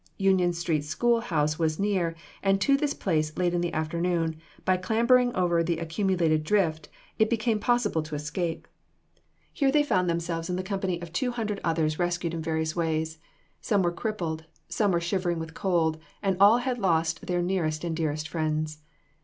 Union street school house was near, and to this place, late in the afternoon, by clambering over the accumulated drift, it became possible to escape. Here they found themselves in the company of nearly two hundred others rescued in various ways. Some were crippled, some were shivering with cold, and all had lost their nearest and dearest friends.